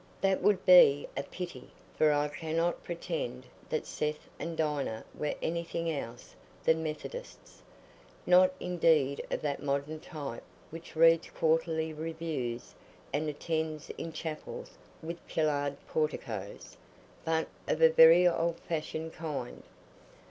That would be a pity; for I cannot pretend that Seth and Dinah were anything else than Methodists—not indeed of that modern type which reads quarterly reviews and attends in chapels with pillared porticoes, but of a very old fashioned kind.